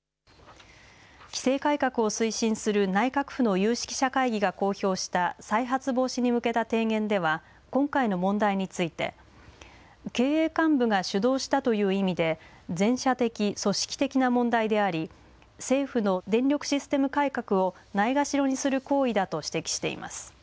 規制改革を推進する内閣府の有識者会議が公表した再発防止に向けた提言では今回の問題について経営幹部が主導したという意味で全社的、組織的な問題であり政府の電力システム改革をないがしろにする行為だと指摘しています。